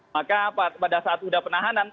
maka pada saat sudah penahanan